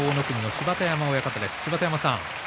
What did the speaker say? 芝田山さん